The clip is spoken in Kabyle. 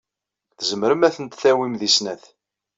Tzemrem ad tent-tawim deg snat.